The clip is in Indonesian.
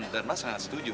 dan mas sangat setuju